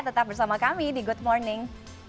tetap bersama kami di good morning